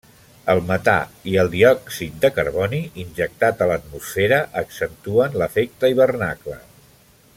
El metà i el diòxid de carboni injectat a l'atmosfera accentuen l'efecte hivernacle.